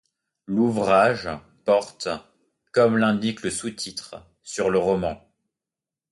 L'ouvrage porte, comme l'indique le sous-titre, sur le roman.